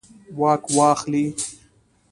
واک واخلي.